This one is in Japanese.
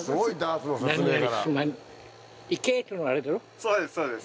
そうですそうです。